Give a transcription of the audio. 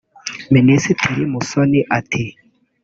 Minisitiri Musoni ati